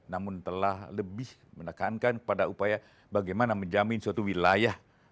namun telah lebih menekankan kepada upaya bagaimana menjamin suatu wilayah